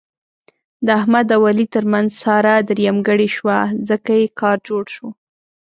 د احمد او علي ترمنځ ساره درېیمګړې شوه، ځکه یې کار جوړ شو.